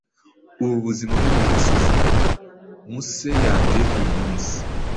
Ubu buzima bwo mu gasozi, muse yanjye uyumunsi